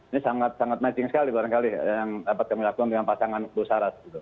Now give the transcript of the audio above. ini sangat sangat matching sekali barangkali yang dapat kami lakukan dengan pasangan busaras